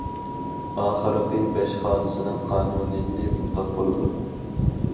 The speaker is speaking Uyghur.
ئاخىرقى بەش خانىسىنىڭ قانۇنىيىتى مۇنداق بولىدۇ.